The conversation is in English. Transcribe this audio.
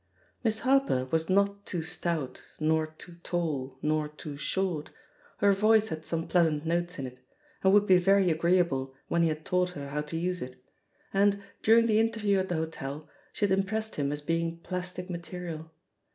Miss Harper was not too stout, nor too tall, nor too short; her voice had some pleasant notes in it, and would be very agreeable when he had taught her how to use it ; and, during the interview at the hotel, she had impressed him as being plastic material.